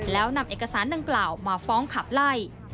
แล้วนำเอกสารดังกล่าวมาฟ้องขับไล่